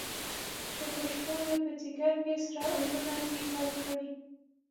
چې په شپومې، په ځیګر کې سره اورونه دي بل کړی